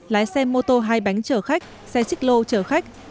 lái xe mô tô hai bánh chở khách xe xích lô chở khách